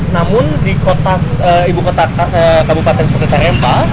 namun di ibu kota kabupaten seperti terimpa